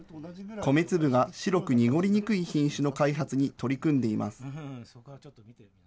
米粒が白く濁りにくい品種の開発に取り組んでいます。